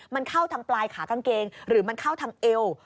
มันเข้าทางปลายขากางเกงหรือมันเข้าทางเอว